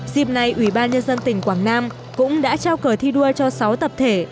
dịp này ủy ban nhân dân tỉnh quảng nam cũng đã trao cờ thi đua cho sáu tập thể